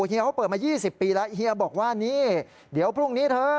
เฮียเขาเปิดมา๒๐ปีแล้วเฮียบอกว่านี่เดี๋ยวพรุ่งนี้เธอ